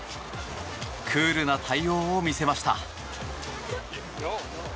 クールな対応を見せました。